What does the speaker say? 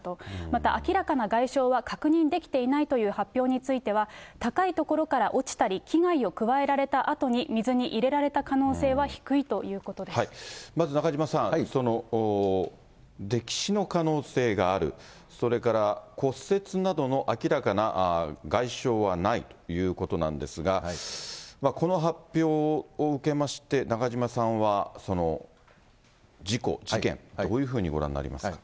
また明らかな外傷は確認できていないという発表については、高い所から落ちたり、危害を加えられたあとに水に入れられた可能性は低いということでまず、中島さん、溺死の可能性がある、それから骨折などの明らかな外傷はないということなんですが、この発表を受けまして、中島さんは事故、事件、どういうふうにご覧になりますか。